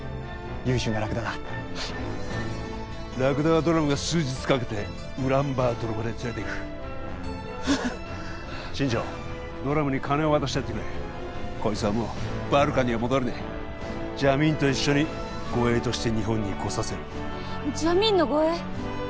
優秀なラクダだはいラクダはドラムが数日かけてウランバートルまで連れていく新庄ドラムに金を渡してやってくれこいつはもうバルカには戻れねえジャミーンと一緒に護衛として日本に来させるジャミーンの護衛？